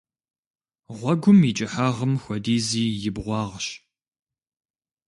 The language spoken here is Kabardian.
Гъуэгум и кӀыхьагъым хуэдизи и бгъуагъщ.